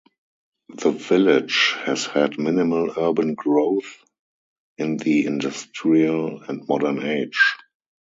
The village has had minimal urban growth in the industrial and modern age.